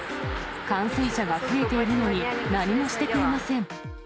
感染者が増えているのに、何もしてくれません。